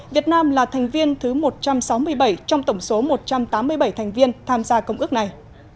việt nam là thành viên thứ một trăm sáu mươi bảy trong tổng số một trăm tám mươi bảy thành viên tham gia công ước này